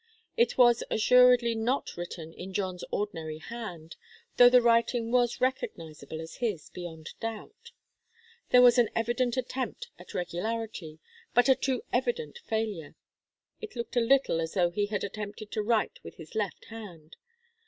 It was assuredly not written in John's ordinary hand, though the writing was recognizable as his, beyond doubt. There was an evident attempt at regularity, but a too evident failure. It looked a little as though he had attempted to write with his left hand.